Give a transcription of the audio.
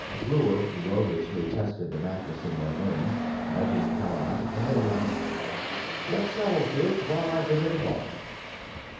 Breuer roguishly tested the mattress in their room, nudging Helena, and then announced, "Get settled, kids, while I visit the bar."